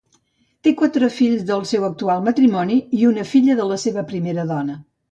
Té quatre fills del seu actual matrimoni i una filla de la seva primera dona.